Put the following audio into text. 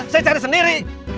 saya cari sendiri